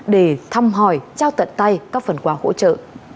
để thăm hỏi trao tận tay các phần quà hỗ trợ